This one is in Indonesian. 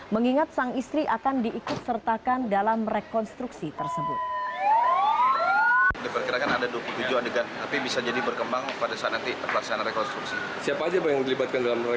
mengingat sang istri akan diikut sertakan dalam rekonstruksi tersebut